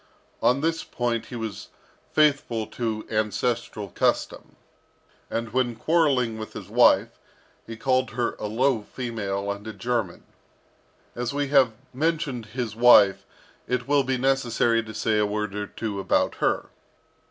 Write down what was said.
On this point he was faithful to ancestral custom; and when quarrelling with his wife, he called her a low female and a German. As we have mentioned his wife, it will be necessary to say a word or two about her.